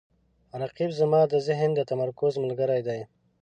رقیب زما د ذهن د تمرکز ملګری دی